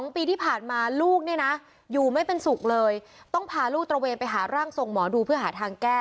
ปีที่ผ่านมาลูกเนี่ยนะอยู่ไม่เป็นสุขเลยต้องพาลูกตระเวนไปหาร่างทรงหมอดูเพื่อหาทางแก้